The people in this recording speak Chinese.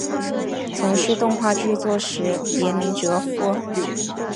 从事动画制作时别名哲夫。